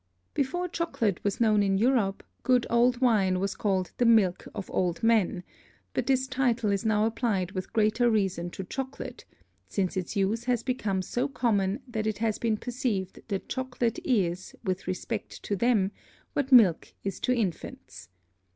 Before Chocolate was known in Europe, good old Wine was called the Milk of old Men; but this Title is now apply'd with greater reason to Chocolate, since its Use has become so common, that it has been perceived that Chocolate is, with respect to them, what Milk is to Infants.